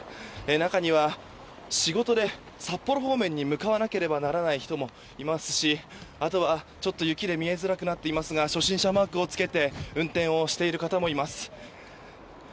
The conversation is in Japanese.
中には仕事で札幌方面に向かわなければならない人もいますしあとは、ちょっと雪で見えづらくなっていますが初心者マークをつけて運転をしている方もいます。